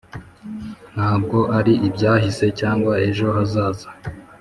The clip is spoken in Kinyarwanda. ntabwo ari ibyahise cyangwa ejo hazaza.